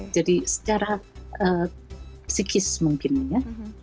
jadi secara psikis mungkin ya